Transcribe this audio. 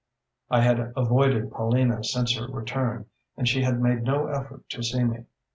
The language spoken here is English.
"I had avoided Paulina since her return, and she had made no effort to see me.